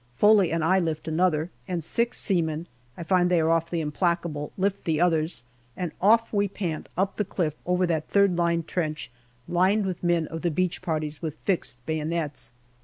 Foley and I lift another, and six seamen (I find they are off the Implacable] lift the others, and off we pant up the cliff over that third line trench, lined with men of the beach parties with fixed bayonets.